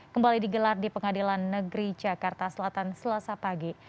kembali digelar di pengadilan negeri jakarta selatan selasa pagi